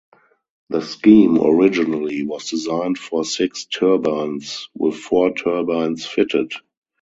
The scheme originally was designed for six turbines, with four turbines fitted.